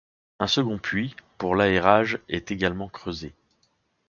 Un second puits, pour l'aérage, est également creusé.